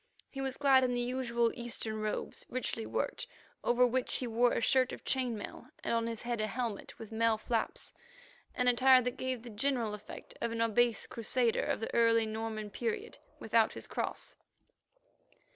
He was clad in the usual Eastern robes, richly worked, over which he wore a shirt of chain mail, and on his head a helmet, with mail flaps, an attire that gave the general effect of an obese Crusader of the early Norman period without his cross.